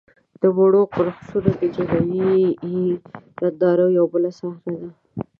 د مړو رقصونه د جنایي نندارو یوه بله صحنه ده.